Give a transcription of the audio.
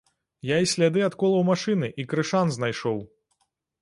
Я і сляды ад колаў машыны, і крышан знайшоў!